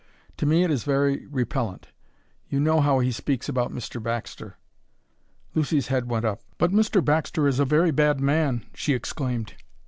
To me it is very repellent. You know how he speaks about Mr. Baxter." Lucy's head went up. "But Mr. Baxter is a very bad man!" she exclaimed.